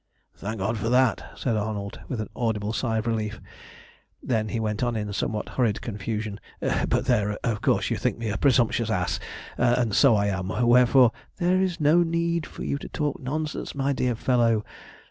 "Thank God for that!" said Arnold, with an audible sigh of relief. Then he went on in somewhat hurried confusion, "But there, of course, you think me a presumptuous ass, and so I am; wherefore" "There is no need for you to talk nonsense, my dear fellow.